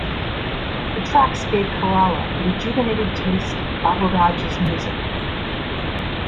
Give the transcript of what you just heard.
The tracks gave Kerala a rejuvenated taste of Baburaj's music.